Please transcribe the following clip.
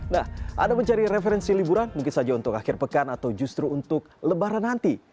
nah anda mencari referensi liburan mungkin saja untuk akhir pekan atau justru untuk lebaran nanti